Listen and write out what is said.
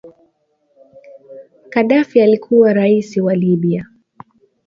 Kadafi alikuwaka raisi wa libya